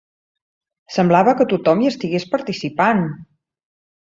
Semblava que tothom hi estigués participant!